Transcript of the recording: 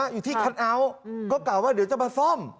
อยู่ที่คันเอาท์ก็กล่าวว่าเดี๋ยวจะมาซ่อม